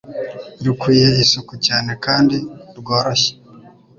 rukwiye isuku cyane kandi rworoshye.